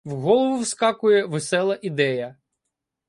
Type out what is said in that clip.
В голову вскакує весела ідея.